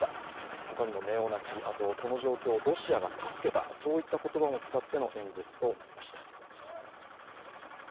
ほかにもネオナチ、この状況をロシアが助けたそういった言葉を使っての演説となりました。